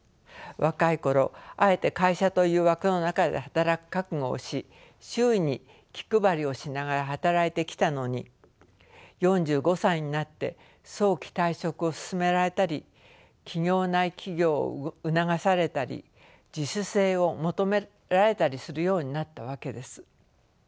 若い頃あえて会社という枠の中で働く覚悟をし周囲に気配りをしながら働いてきたのに４５歳になって早期退職を勧められたり企業内起業を促されたり自主性を求められたりするようになったわけです。